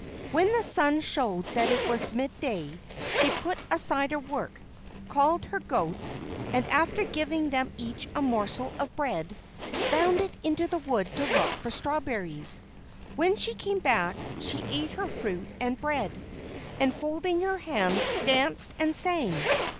When the sun showed that it was midday she put aside her work, called her goats, and, after giving them each a morsel of bread, bounded into the wood to look for strawberries. When she came back she ate her fruit and bread, and, folding her hands, danced and sang.